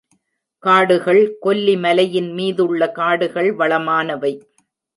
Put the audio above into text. காடுகள் கொல்லி மலையின் மீதுள்ள காடுகள் வளமானவை.